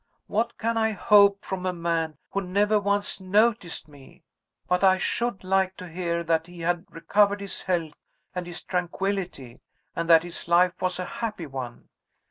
What can I hope from a man who never once noticed me? But I should like to hear that he had recovered his health and his tranquillity, and that his life was a happy one.